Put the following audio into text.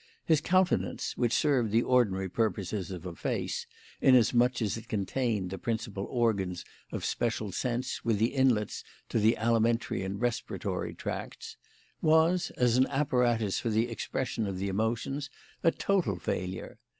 His countenance (which served the ordinary purposes of a face, inasmuch as it contained the principal organs of special sense, with the inlets to the alimentary and respiratory tracts) was, as an apparatus for the expression of the emotions, a total failure.